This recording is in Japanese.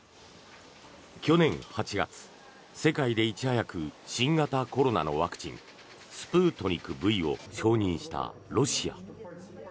去年８月、世界でいち早く新型コロナのワクチンスプートニクＶを承認したロシア。